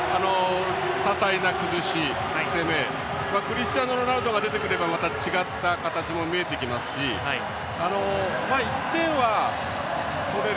多彩な崩し、攻めクリスチアーノ・ロナウドが出てくればまた違った形も見えてきますし１点は取れる。